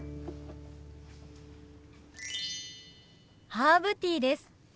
ハーブティーです。